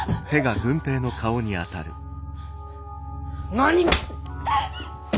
何！！